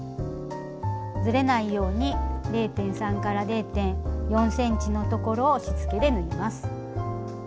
ずれないように０．３０．４ｃｍのところをしつけで縫います。